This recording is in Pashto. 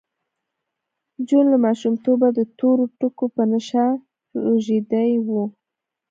جون له ماشومتوبه د تورو ټکو په نشه روږدی و